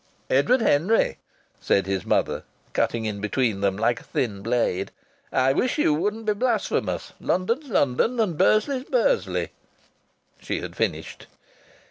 "Edward Henry," said his mother, cutting in between them like a thin blade, "I wish you wouldn't be blasphemous. London's London, and Bursley's Bursley." She had finished.